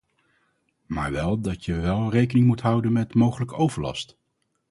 Maar wel dat je wel rekening moet houden met mogelijke overlast.